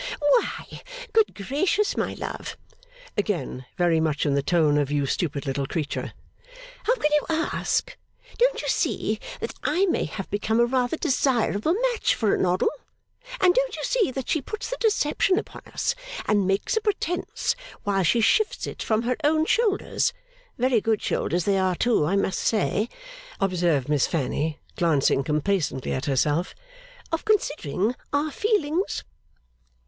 'Why? Good gracious, my love!' (again very much in the tone of You stupid little creature) 'how can you ask? Don't you see that I may have become a rather desirable match for a noddle? And don't you see that she puts the deception upon us, and makes a pretence, while she shifts it from her own shoulders (very good shoulders they are too, I must say),' observed Miss Fanny, glancing complacently at herself, 'of considering our feelings?